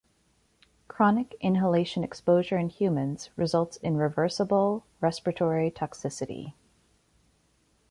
Chronic inhalation exposure in humans results in reversible respiratory toxicity.